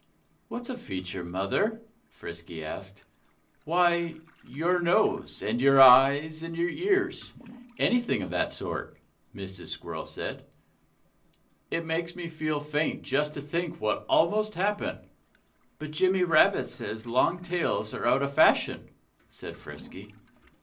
"What's a feature, Mother?" Frisky asked. "Why your nose, and your eyes, and your ears anything of that sort," Mrs. Squirrel said. "It makes me feel faint just to think what almost happened." "But Jimmy Rabbit says long tails are out of fashion," said Frisky.